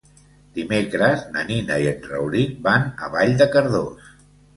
Dimecres na Nina i en Rauric van a Vall de Cardós.